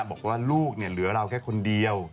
บอกว่าลูกเหลือเราแค่คนเดียว